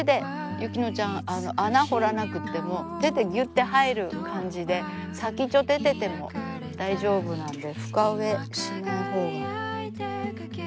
雪乃ちゃん穴掘らなくても手でギュッて入る感じで先っちょ出てても大丈夫なんで深植えしないほうが。